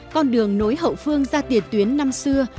con đường nối hậu phương ra tiền tuyến năm xưa